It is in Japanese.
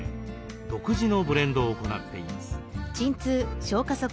独自のブレンドを行っています。